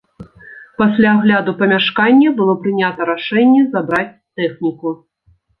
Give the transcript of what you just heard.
Пасля агляду памяшкання было прынята рашэнне забраць тэхніку.